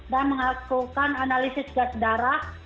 dan mengakukan analisis gas darah